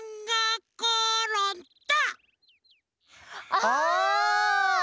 あ！